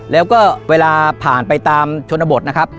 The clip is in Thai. แล้วก็เวลาผ่านไปตามชนบทนะครับ